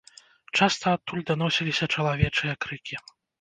Часта адтуль даносіліся чалавечыя крыкі.